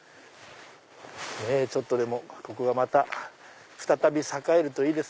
ちょっとでもここがまた再び栄えるといいですね。